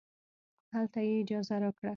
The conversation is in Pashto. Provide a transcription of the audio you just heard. هلته یې اجازه راکړه.